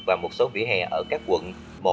và một số vỉa hè ở các quận